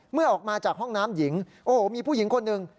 ออกมาจากห้องน้ำหญิงโอ้โหมีผู้หญิงคนหนึ่ง